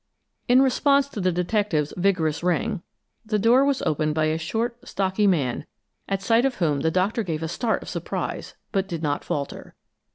In response to the detective's vigorous ring, the door was opened by a short, stocky man, at sight of whom the Doctor gave a start of surprise, but did not falter.